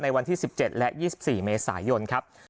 ในวันที่๑๗และ๒๔เมษายน